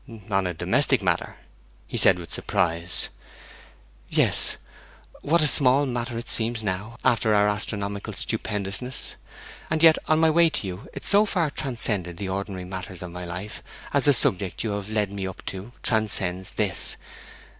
'On a domestic matter?' he said, with surprise. 'Yes. What a small matter it seems now, after our astronomical stupendousness! and yet on my way to you it so far transcended the ordinary matters of my life as the subject you have led me up to transcends this.